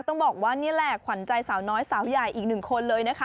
ต้องบอกว่านี่แหละขวัญใจสาวน้อยสาวใหญ่อีกหนึ่งคนเลยนะคะ